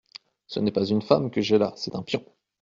Ce n’est pas une femme que j’ai là, c’est un pion !…